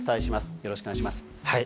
よろしくお願いします。